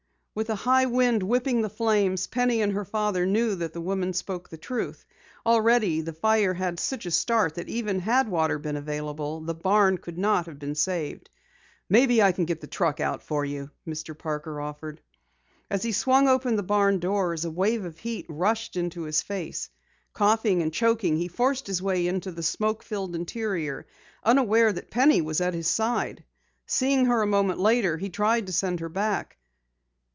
With a high wind whipping the flames, Penny and her father knew that the woman spoke the truth. Already the fire had such a start that even had water been available, the barn could not have been saved. "Maybe I can get out the truck for you!" Mr. Parker offered. As he swung open the barn doors, a wave of heat rushed into his face. Coughing and choking, he forced his way into the smoke filled interior, unaware that Penny was at his side. Seeing her a moment later, he tried to send her back.